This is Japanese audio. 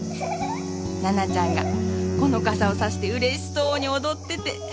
奈々ちゃんがこの傘を差して嬉しそうに踊ってて。